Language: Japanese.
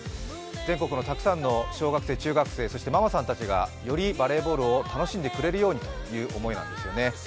全国のたくさんの小学生、中学生、そしてママさんたちがよりバレーボールを楽しんでくれるようにという思いなんでしょうね。